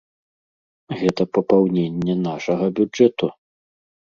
Гэта папаўненне нашага бюджэту.